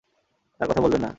তার কথা বলবেন না।